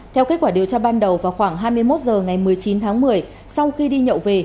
theo kết quả điều tra ban đầu vào khoảng hai mươi một h ngày một mươi chín tháng một mươi sau khi đi nhậu về